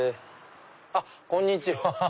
あっこんにちは。